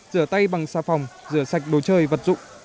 rửa tay bằng xà phòng rửa sạch đồ chơi vật dụng